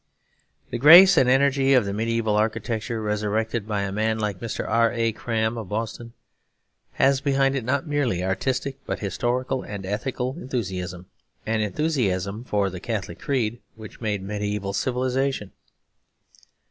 The grace and energy of the mediaeval architecture resurrected by a man like Mr. R. A. Cram of Boston has behind it not merely artistic but historical and ethical enthusiasm; an enthusiasm for the Catholic creed which made mediaeval civilisation.